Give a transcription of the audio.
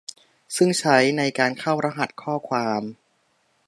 ซึ่งใช้ในการเข้ารหัสข้อความ